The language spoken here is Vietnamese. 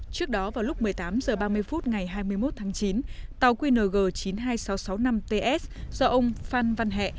trước đó vào lúc một mươi tám h ba mươi phút ngày hai mươi một tháng chín tàu qng chín mươi hai nghìn sáu trăm sáu mươi năm ts do ông phan văn hẹ